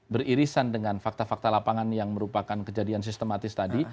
beririsan dengan fakta fakta lapangan yang merupakan kejadian sistematis tadi